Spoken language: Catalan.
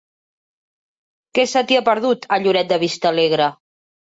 Què se t'hi ha perdut, a Lloret de Vistalegre?